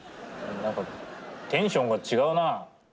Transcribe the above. なんかテンションが違うな。